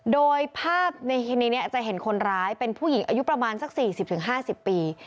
โดยภาพในทีนี้จะเห็นคนร้ายเป็นผู้หญิงอายุประมาณสัก๔๐๕๐ปี